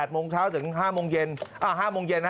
๘โมงเช้าถึง๕โมงเย็น